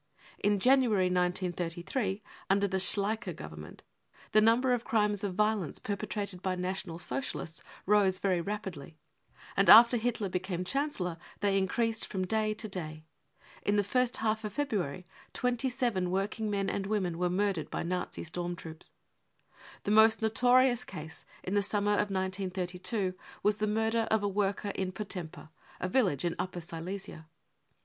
In January, * 1933, under the Schleicher Government, the number of crimes of violence perpetrated by National Socialists rose very rapidly, and after Hitler became Chancellor they > increased from day to day. In the first half of February, I 1 314 BROWN BOOK OF THE HITLER TERROR 27 working men and women were murdered by Nazi storm troops. The most notorious case in the summer of 1932 was the murder of a worker in Potempa, a village in Upper Silesia.